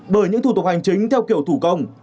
bởi những thủ tục hành chính theo kiểu thủ công